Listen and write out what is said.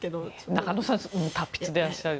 中野さんは達筆でいらっしゃる。